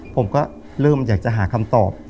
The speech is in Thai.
ผมก็เริ่มอยากจะหาคำตอบ